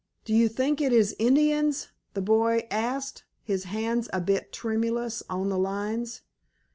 "Do you think it is Indians?" the boy asked, his hands a bit tremulous on the lines.